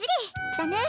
だね。